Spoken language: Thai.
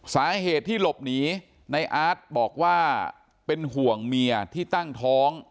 สาเหตุที่หลบหนีในอาร์ตบอกว่าเป็นห่วงเมียที่ตั้งท้อง